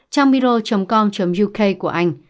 trangmiro com uk của anh